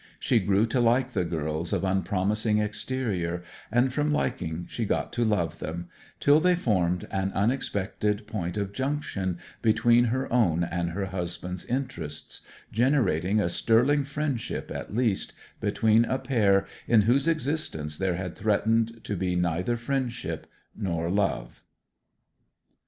She grew to like the girls of unpromising exterior, and from liking she got to love them; till they formed an unexpected point of junction between her own and her husband's interests, generating a sterling friendship at least, between a pair in whose existence there had threatened to be neither friendship nor love.